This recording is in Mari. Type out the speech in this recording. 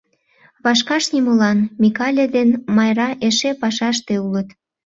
Вашкаш нимолан — Микале ден Майра эше пашаште улыт.